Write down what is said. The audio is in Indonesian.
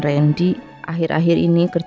kasihan coeur satu